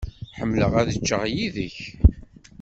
Ḥemmleɣ ad cceɣ yid-k.